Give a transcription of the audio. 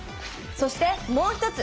そしてもう一つ。